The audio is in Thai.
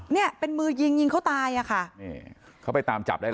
เนี่ยเป็นมือยิงยิงเขาตายอ่ะค่ะนี่เขาไปตามจับได้แล้ว